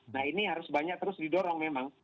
nah ini harus banyak terus didorong memang